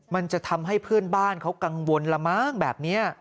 มันจะทำให้เพื่อนบ้านเขากังวลละมั้งแบบนี้